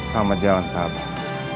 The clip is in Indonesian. selamat jalan sahabat